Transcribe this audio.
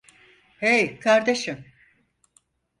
Hey, kardeşim.